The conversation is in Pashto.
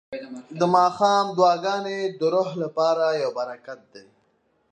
د ماښام دعاګانې د روح لپاره یو برکت دی.